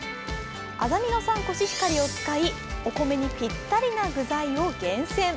安曇野産コシヒカリを使い、お米にぴったりな具材を厳選。